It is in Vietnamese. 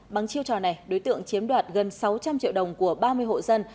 bằng chiêu trò này đối tượng chiếm đoạt gần sáu trăm linh triệu đồng của ba mươi hộ dân